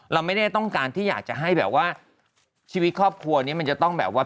เราไม่ได้ต้องการที่อยากจะให้แบบว่าชีวิตครอบครัวนี้มันจะต้องแบบว่า